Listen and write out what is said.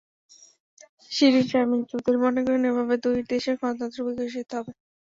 শিরীন শারমিন চৌধুরী মনে করেন, এভাবে দুই দেশের গণতন্ত্র বিকশিত হবে।